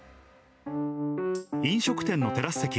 飲食店のテラス席。